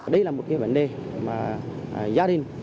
đây là một cái vấn đề mà gia đình